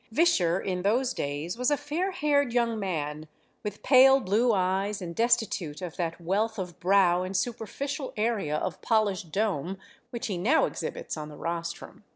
Visscher, in those days, was a fair haired young man, with pale blue eyes, and destitute of that wealth of brow and superficial area of polished dome which he now exhibits on the rostrum.